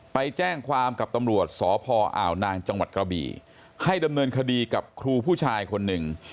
ไปแจ้งความกับตำรวจสพอ่าวนางจังหวัดกระบี่ให้ดำเนินคดีกับครูผู้ชายคนหนึ่ง